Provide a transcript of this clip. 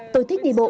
tôi thích đi bộ